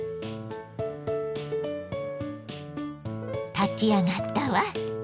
炊き上がったわ。